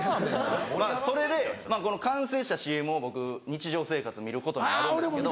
それで完成したＣＭを僕日常生活見ることになるんですけど。